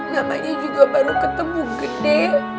namanya juga baru ketemu gede